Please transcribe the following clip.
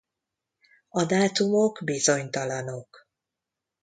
A dátumok bizonytalanok.